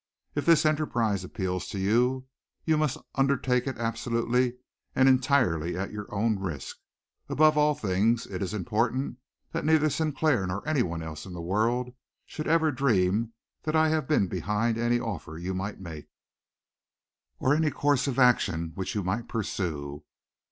If this enterprise appeals to you, you must undertake it absolutely and entirely at your own risk. Above all things, it is important that neither Sinclair nor anyone else in the world should ever dream that I had been behind any offer you might make, or any course of action which you might pursue.